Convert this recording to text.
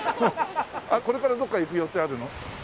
これからどこか行く予定あるの？